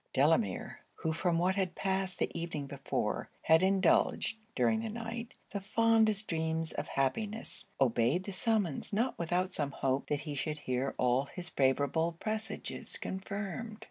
Delamere, who from what had passed the evening before had indulged, during the night, the fondest dreams of happiness, obeyed the summons not without some hopes that he should hear all his favourable presages confirmed.